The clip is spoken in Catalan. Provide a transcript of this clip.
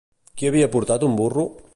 Qui havia portat un burro?